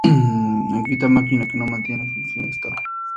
Él quita la máquina que lo mantiene en su inconsciente estado.